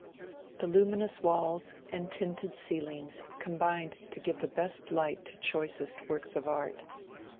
The luminous walls and tinted ceilings combined to give the best light to choicest works of art.